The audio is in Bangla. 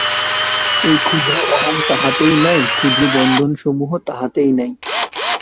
এই ক্ষুদ্র অহং তাঁহাতে নাই, ক্ষুদ্র বন্ধনসমূহ তাঁহাতে নাই।